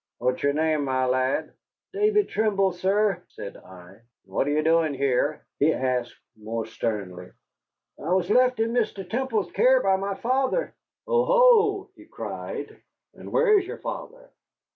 What's your name, my lad?" "David Trimble, sir," said I. "And what are you doing here?" he asked more sternly. "I was left in Mr. Temple's care by my father." "Oho!" he cried. "And where is your father?"